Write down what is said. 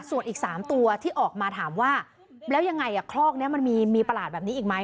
ส่วนอีก๓ตัวที่ออกมาถามว่าแล้วยังไงคลอกนี้มันมีประหลาดแบบนี้อีกไหม